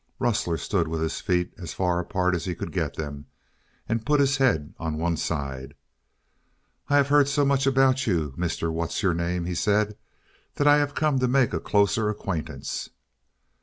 Rustler stood with his feet as far apart as he could get them, and put his head on one side. "I have heard so much about you, Mr. What's your name," he said, "that I have come to make a closer acquaintance."